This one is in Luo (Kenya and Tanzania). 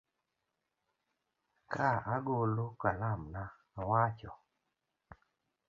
Ka agolo kalamna, awacho